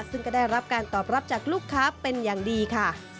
ซึ่งก็ได้รับการตอบรับจากลูกค้าเป็นอย่างดีค่ะ